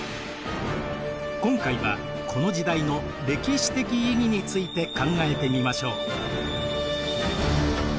今回はこの時代の歴史的意義について考えてみましょう。